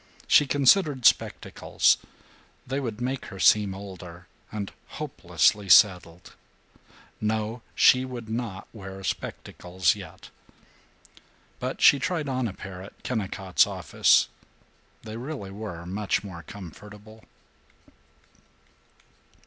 She considered spectacles. They would make her seem older, and hopelessly settled. No! She would not wear spectacles yet. But she tried on a pair at Kennicott's office. They really were much more comfortable.